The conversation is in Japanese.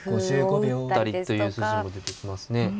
打ったりという筋も出てきますね。